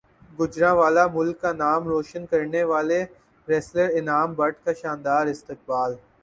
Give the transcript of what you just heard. گوجرانوالہ ملک کا نام روشن کرنیوالے ریسلر انعام بٹ کا شاندار استقبال